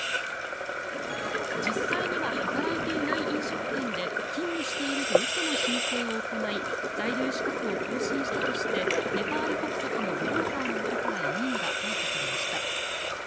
実際には働いていない飲食店で勤務していると嘘の申請を行い在留資格を更新したとしてネパール国籍のブローカーの男ら４人が逮捕されました。